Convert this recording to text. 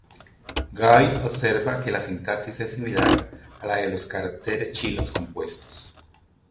Guy observa que la sintaxis es similar a la de los caracteres chinos compuestos.